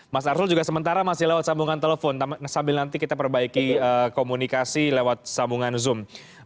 mas arsul juga sementara masih lewat sambungan telepon sambil nanti kita perbaiki komunikasi lewat sambungan zoom